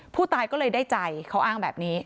ผู้ตายก็เลยได้ใจเขาอ้างแบบนี้